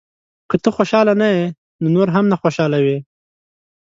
• که ته خوشحاله نه یې، نو نور هم نه خوشحالوې.